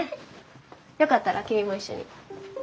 よかったら君も一緒に。